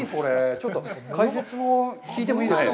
ちょっと解説を聞いてもいいですか。